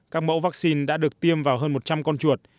các mẫu vaccine đã được tiêm vào hơn một trăm linh con chuột